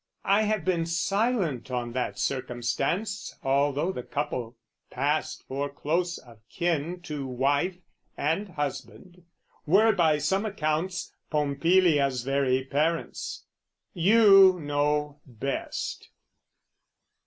I have been silent on that circumstance Although the couple passed for close of kin To wife and husband, were by some accounts Pompilia's very parents: you know best.